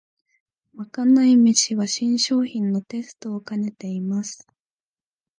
まかない飯は新商品のテストをかねてます